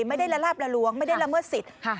ไม่ได้ละลาบละล้วงไม่ได้ละเมิดสิทธิ์